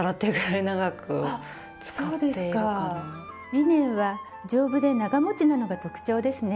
リネンは丈夫で長もちなのが特長ですね。